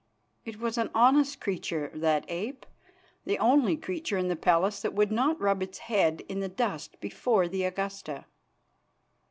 It was an honest creature, that ape; the only creature in the palace that would not rub its head in the dust before the Augusta.